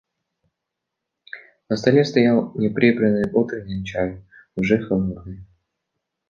На столе стоял неприбранный утренний чай, уже холодный.